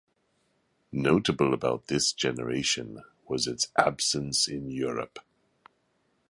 Notable about this generation was its absence in Europe.